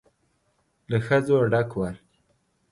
له ښځو ډک ول.